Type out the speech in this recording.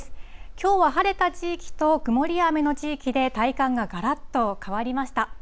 きょうは晴れた地域と曇りや雨の地域で、体感ががらっと変わりました。